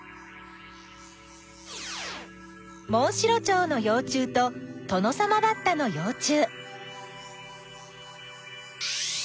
モンシロチョウのよう虫とトノサマバッタのよう虫。